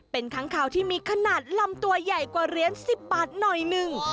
เป็นค้างคาวที่มีขนาดลำตัวใหญ่กว่าเหรียญ๑๐บาทหน่อยหนึ่ง